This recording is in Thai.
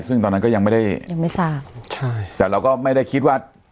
ซึ่งตอนนั้นก็ยังไม่ได้ยังไม่ทราบใช่แต่เราก็ไม่ได้คิดว่า